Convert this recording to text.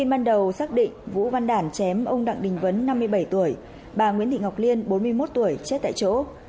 ban đầu xác định vũ văn đản chém ông đặng đình vấn năm mươi bảy tuổi bà nguyễn thị ngọc liên bốn mươi một tuổi chết tại chỗ